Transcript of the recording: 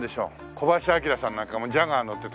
小林旭さんなんかもジャガー乗ってたからその頃ね。